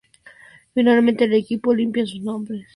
Finalmente, el equipo limpia sus nombres.